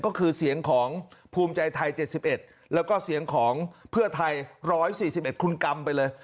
ก็คือเสียงของภูมิใจไทย๗๑แล้วก็เสียงของเพื่อไทย๑๔๑คุณกรรมไปเลย